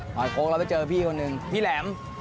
หอยคกแล้วไปเจอพี่ก็นึงพี่แหลม